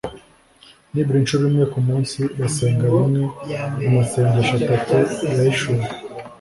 nibura incuro imwe ku munsi basenga rimwe mu masengesho atatu yahishuwe .